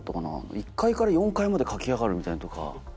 １階から４階まで駆け上がるみたいなのとか。